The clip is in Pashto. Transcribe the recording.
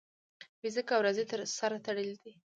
فزیک او ریاضي سره تړلي دي.